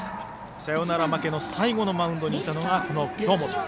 サヨナラ負けの最後のマウンドにいたのがこの京本。